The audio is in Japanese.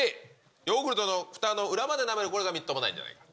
ヨーグルトのふたの裏までなめる、これがみっともないんじゃないかと。